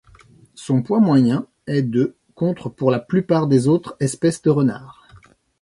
Son poids moyen est de contre pour la plupart des autres espèces de renard.